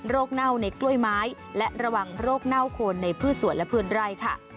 เน่าในกล้วยไม้และระวังโรคเน่าโคนในพืชสวนและพื้นไร่ค่ะ